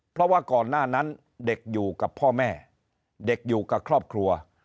เพราะว่าก่อนหน้านั้นเด็กอยู่กับพ่อแม่เด็กอยู่กับครอบครัว